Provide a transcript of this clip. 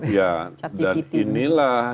nah dan inilah